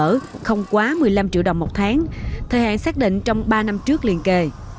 tức là không quá một mươi năm triệu đồng một tháng thời hạn xác định trong ba năm trước liền kề